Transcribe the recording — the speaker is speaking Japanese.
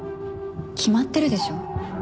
決まってるでしょう。